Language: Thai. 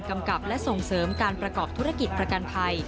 กับและส่งเสริมการประกอบธุรกิจประกันภัย